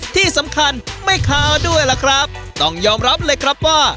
ที่สำคัญไม่คาวด้วยล่ะครับต้องยอมรับเลยครับว่า